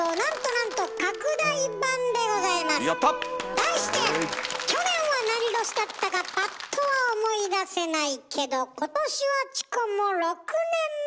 題して「去年はなに年だったかパッとは思い出せないけど今年はチコも６年目！